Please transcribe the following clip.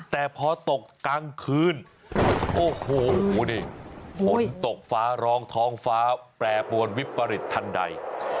แต่พอตกกลางคืนโอ้โหโอ้โหนตกฟ้ารองทองฟ้าแปรปวนวิปริษฐัณฑ์ใด